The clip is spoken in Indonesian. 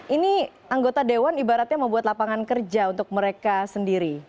ini anggota dewan ibaratnya membuat lapangan kerja untuk mereka sendiri